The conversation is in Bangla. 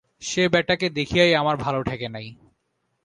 সে বেটাকে দেখিয়াই আমার ভালো ঠেকে নাই।